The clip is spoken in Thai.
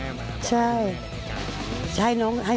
มันกลัวเอิญอย่างนี้นะครับ